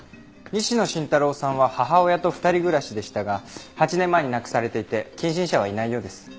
西野伸太郎さんは母親と２人暮らしでしたが８年前に亡くされていて近親者はいないようです。